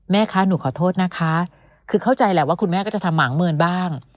คะหนูขอโทษนะคะคือเข้าใจแหละว่าคุณแม่ก็จะทำหมางเมินบ้าง